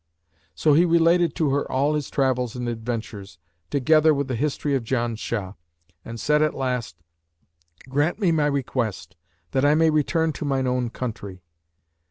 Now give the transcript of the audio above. So he related to her all his travels and adventures, together with the history of Janshah, and said at last, 'Grant me my request, that I may return to mine own country.'